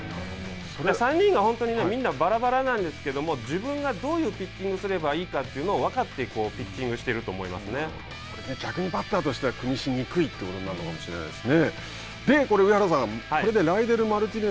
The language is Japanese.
３人が本当にみんなばらばらなんですけれども自分がどういうピッチングをすればいいかというのを分かってピッチングをしていると逆に、バッターとしては崩しにくいということになるのかもしれないですよね。